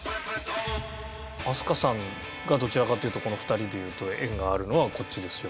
飛鳥さんがどちらかというとこの２人でいうと縁があるのはこっちですよ。